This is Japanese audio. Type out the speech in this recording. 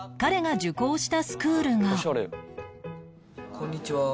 こんにちは。